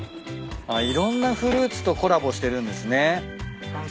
あっいろんなフルーツとコラボしてるんですね。